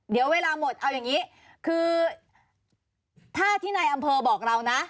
เดี๋ยวเวลาหมดเอาอย่างนี้คือถ้าที่นายอำเภอบอกเรานะ